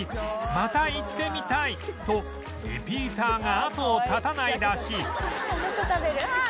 また行ってみたいとリピーターが後を絶たないらしい